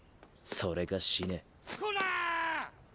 それか死ねこら！